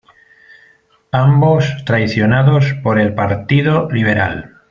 Ambos traicionados por el Partido Liberal".